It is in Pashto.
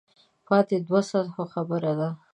پاتې دوو سطحو خبره ده.